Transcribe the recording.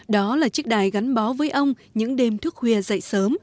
đó là chiếc đài gắn bó với ông những đêm thức khuya dậy sớm